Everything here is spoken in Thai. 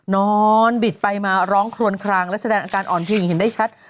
นอนบิดไปมาร้องคลวนคลังและแสดงอาการอ่อนพิวเห็นได้ชัด